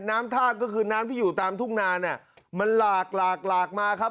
น้ำท่าก็คือน้ำที่อยู่ตามทุ่งนามันหลากมาครับ